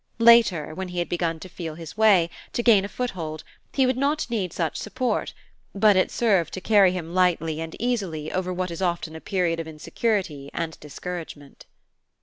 Later, when he had begun to feel his way, to gain a foothold, he would not need such support; but it served to carry him lightly and easily over what is often a period of insecurity and discouragement.